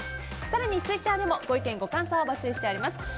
更にツイッターでもご意見、ご感想を募集しています。